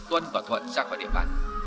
tuân và thuận ra khỏi địa bàn